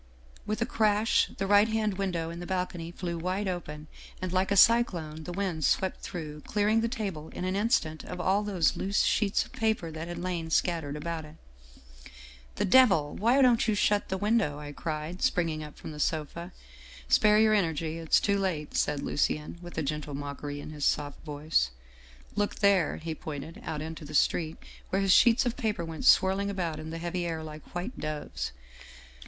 With a crash the right hand window in the balcony flew wide open, and like a cyclone, the wind swept through, clearing the table in an instant of all the loose sheets of paper that had lain scat tered about it. "' The devil ! Why don't you shut the window !' I cried, springing up from the sofa. "' Spare your energy, it's too late/ said Lucien with a gentle mockery in his soft voice. ' Look there !' he pointed out into the street, where his sheets of paper went swirling about in the heavy air like white doves.